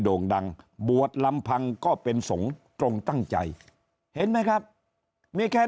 โด่งดังบวชลำพังก็เป็นสงฆ์ตรงตั้งใจเห็นไหมครับมีแค่